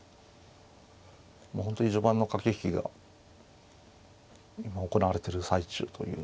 本当に序盤の駆け引きが今行われてる最中という。